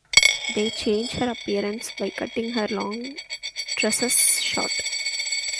They change her appearance by cutting her long tresses short.